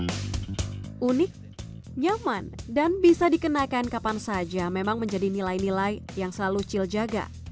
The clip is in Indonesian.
untuk pakaian yang lebih unik nyaman dan bisa dikenakan kapan saja memang menjadi nilai nilai yang selalu cil jaga